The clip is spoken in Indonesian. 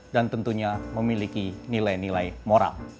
dan tentunya memiliki nilai nilai moral